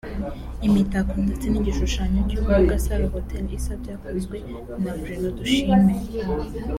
Imitako ndetse n’igishushanyo cy’uko Gasaro Hotel isa byakozwe na Bruno Dushime